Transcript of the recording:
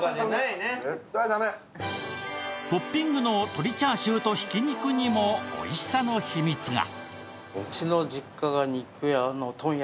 トッピングの鶏チャーシューとひき肉にもおいしさの秘密が。